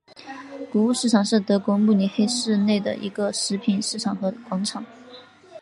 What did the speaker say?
谷物市场是德国慕尼黑市内一个食品市场和广场。